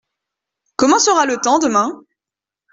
Comment sera le temps demain ?